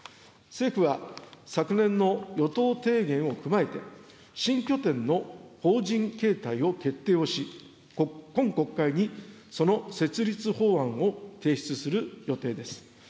政府は、昨年の与党提言を踏まえて、新拠点の法人形態を決定をし、今国会にその設立法案を提出する予定です。